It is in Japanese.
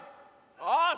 よし！